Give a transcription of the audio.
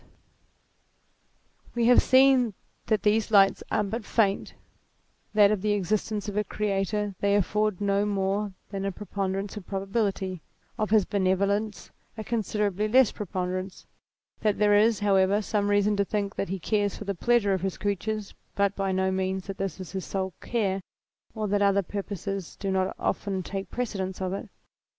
208 THEISM We have seen that these lights are but faint; that of the existence of a Creator they afford no more than a preponderance of probability ; of his benevolence a considerably less preponderance; that there is, however, some reason to think that he cares for the pleasures of his creatures, but by no means that this is his sole care, or that other purposes do not often take precedence of it.